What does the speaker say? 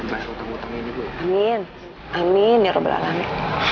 nah aku tahu berarti